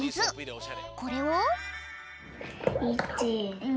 これを。